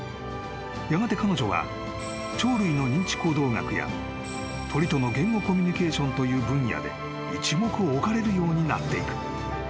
やがて彼女は鳥類の認知行動学や鳥との言語コミュニケーションという分野で一目置かれるようになっていく］